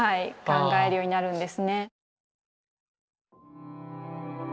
考えるようになるんですね。